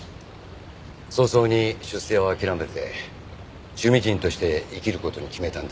早々に出世を諦めて趣味人として生きる事に決めたんですよ。